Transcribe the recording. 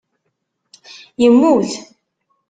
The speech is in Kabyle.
Immut.